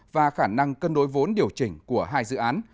và khả năng cân đối vốn điều chỉnh của hai dự án